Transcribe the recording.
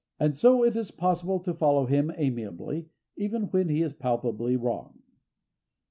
And so it is possible to follow him amiably even when he is palpably wrong.